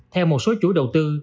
theo một số chuỗi đầu tư